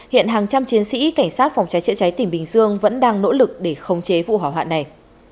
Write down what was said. hiện hàng trăm chiến sĩ cảnh sát phòng cháy chữa cháy tỉnh bình dương vẫn đang nỗ lực để khống chế vụ hỏa hoạn này